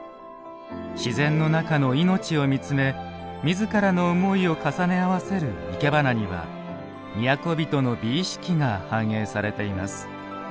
自然の中の命を見つめみずからの思いを重ね合わせるいけばなには都人の美意識が反映されています。